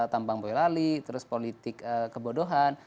tambang boyo lali terus politik kebodohan